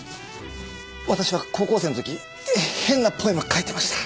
私は高校生の時変なポエムを書いてました。